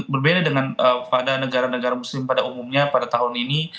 berbeda dengan pada negara negara muslim pada umumnya pada tahun ini